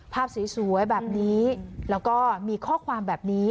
ภาพสวยแบบนี้แล้วก็มีข้อความแบบนี้